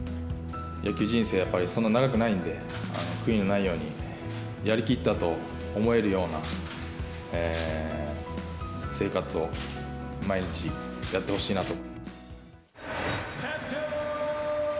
野球人生、やっぱりそんな長くないんで、悔いのないように、やりきったと思えるような生活を毎日、やってほしいなと。